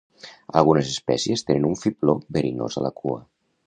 Algunes espècies tenen un fibló verinós a la cua.